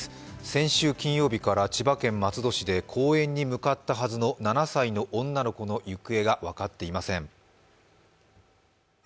先週金曜日から千葉県松戸市で公園に向かったはずの７歳の女の子の行方が分かっていません。